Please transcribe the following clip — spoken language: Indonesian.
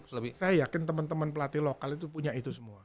saya yakin teman teman pelatih lokal itu punya itu semua